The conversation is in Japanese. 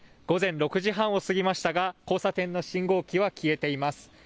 午前６時半を過ぎましたが、交差点の信号機は消えています。